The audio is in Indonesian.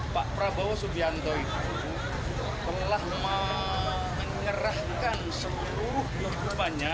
pak prabowo subianto itu telah menyerahkan seluruh kehidupannya